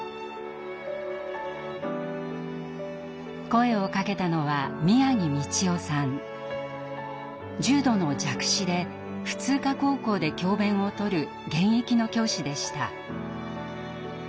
声をかけたのは重度の弱視で普通科高校で教べんをとる現役の教師でした。